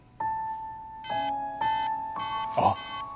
あっ。